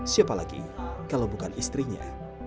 siapa lagi kalau bukan istrinya